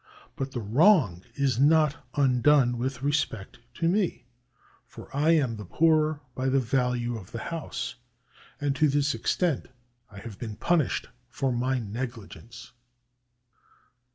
But the wrong is not undone with respect to me, for I am the poorer by the value of the house, and to this extent I have been punished for my negli gence.